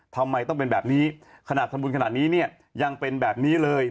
ทำไมต้องเป็นแบบนี้ขนาดทำบุญขนาดนี้เนี่ยยังเป็นแบบนี้เลย